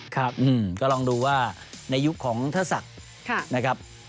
ก็ลองดูว่าในยุคของทรศักดิ์นะครับ